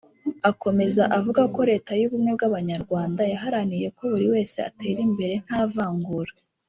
Akomeza avuga ko Leta y’ubumwe bw’abanyarwanda yaharaniye ko buri wese atera imbere nta vangura